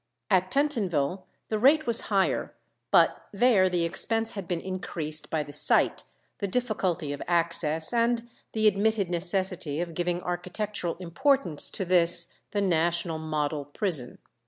At Pentonville the rate was higher, but there the expense had been increased by the site, the difficulty of access, and the admitted necessity of giving architectural importance to this the national model prison.